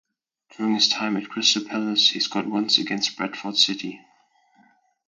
During his time at Crystal Palace, he scored once against Bradford City.